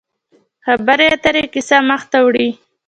خبرې اترې کیسه مخ ته وړي.